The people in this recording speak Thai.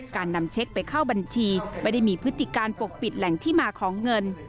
การนำเช็คไปเข้าบัญชีไม่ได้มีพฤติการปกปิดแหล่งที่มาของเงิน